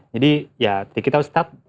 jadi ya dikitau start